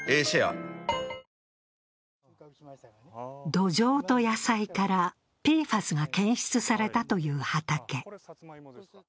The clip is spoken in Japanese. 土壌と野菜からＰＦＡＳが検出されたという畑。